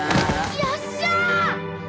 よっしゃー！